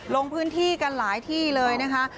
ลงพื้นที่กันหลายที่เลยนะคะ